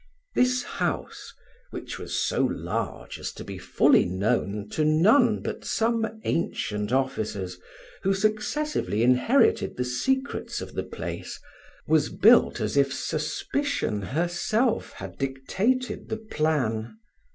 This house, which was so large as to be fully known to none but some ancient officers, who successively inherited the secrets of the place, was built as if Suspicion herself had dictated the plan.